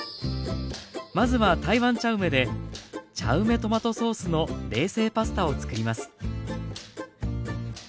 まずは台湾茶梅で茶梅トマトソースの冷製パスタをつくります。